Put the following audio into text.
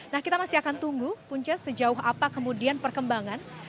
nah kita masih akan tunggu punca sejauh apa kemudian perkembangan